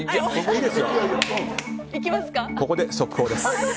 ここで速報です。